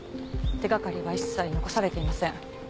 手掛かりは一切残されていません。